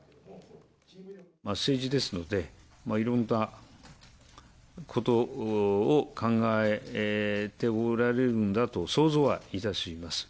政治ですので、いろんなことを考えておられるんだと、想像はいたします。